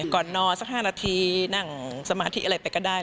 ก่อนนอนสัก๕นาทีนั่งสมาธิอะไรไปก็ได้